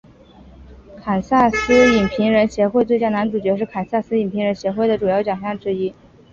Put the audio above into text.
堪萨斯影评人协会奖最佳男主角是堪萨斯影评人协会奖的主要奖项之一。